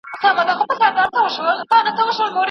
چاچي بد کړي بد به یادیږي